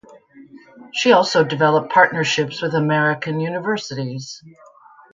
She also developed partnerships with American universities.